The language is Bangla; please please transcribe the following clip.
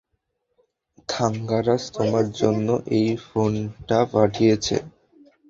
থাঙ্গারাজ তোমার জন্য এই ফোনটা পাঠিয়েছে।